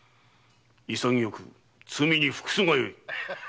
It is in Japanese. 潔く罪に服すがよい。